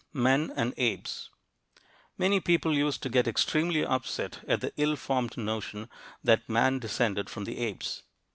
MEN AND APES Many people used to get extremely upset at the ill formed notion that "man descended from the apes."